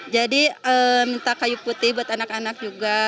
jadi minta kayu putih buat anak anak juga